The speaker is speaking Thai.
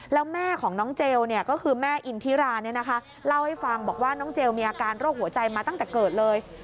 แล้วแม่ของน้องเจลก็คือแม่อินทิราเล่าให้ฟังบอกว่าน้องเจลมีอาการโรคหัวใจมาตั้งแต่เกิดเลย